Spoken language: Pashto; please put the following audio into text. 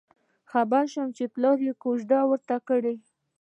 خبر شوم پلار یې کوزده ورته کوي.